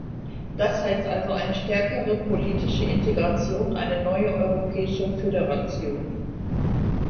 Das heißt also eine stärkere politische Integration, eine neue europäische Föderation.